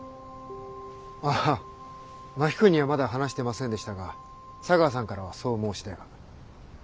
あ真木君にはまだ話してませんでしたが茶川さんからはそう申し出が。